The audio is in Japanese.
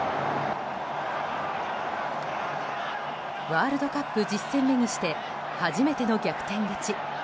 ワールドカップ１０戦目にして初めての逆転勝ち。